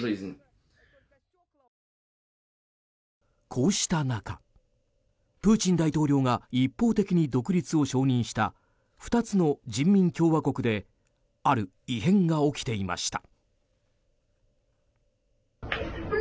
こうした中、プーチン大統領が一方的に独立を承認した２つの人民共和国である異変が起きていました。